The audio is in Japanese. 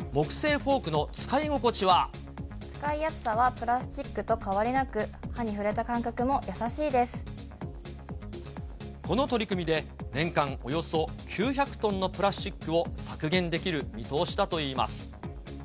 使いやすさはプラスチックと変わりなく、この取り組みで、年間およそ９００トンのプラスチックを削減できる見通しだといいます。